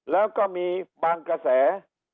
แล้วก็มีบางกระแส